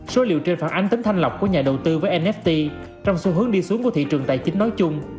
số liệu trên phản ánh tính thanh lọc của nhà đầu tư với nft trong xu hướng đi xuống của thị trường tài chính nói chung